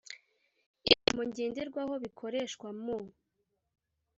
ibipimo ngenderwaho bikoreshwa mu